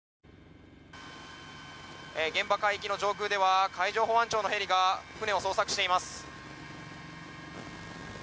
現場海域の上空では海上保安庁のヘリが船を捜索しています。